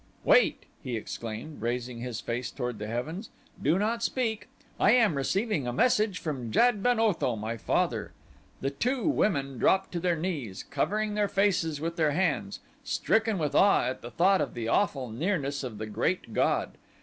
"Wait," he exclaimed, raising his face toward the heavens; "do not speak. I am receiving a message from Jad ben Otho, my father." The two women dropped to their knees, covering their faces with their hands, stricken with awe at the thought of the awful nearness of the Great God.